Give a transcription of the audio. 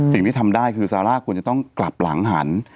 สิ่งที่ทำได้คือซาร่าควรจะต้องกลับหลังหัน